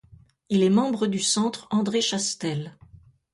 Il est membre du Centre André-Chastel.